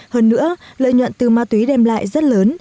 hơn nữa lợi nhuận từ ma túy đem lại rất lớn